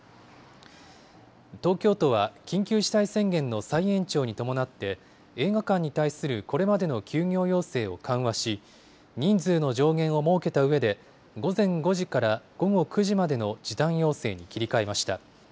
東京都は緊急事態宣言の再延長に伴って、映画館に対するこれまでの休業要請を緩和し、人数の上限を設けたうえで、午前５時から午後９時までの時短要請に切り替えました。